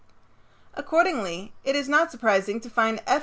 Accordingly, it is not surprising to find F.